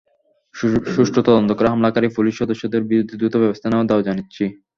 সুষ্ঠু তদন্ত করে হামলাকারী পুলিশ সদস্যদের বিরুদ্ধে দ্রুত ব্যবস্থা নেওয়ার দাবি জানাচ্ছি।